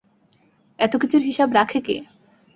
এতকিছুর হিসাব রাখে কে?